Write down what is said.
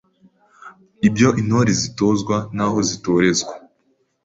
IBYO INTORE ZITOZWA N’AHO ZITOREZWA